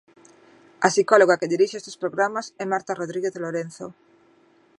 A psicóloga que dirixe estes programas é Marta Rodríguez Lorenzo.